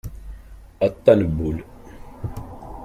Aṭṭan n wul.